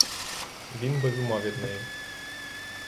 Він без ума від неї.